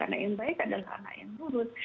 anak yang baik adalah anak yang nurut